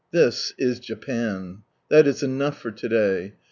This is Japan. That is enough for to day.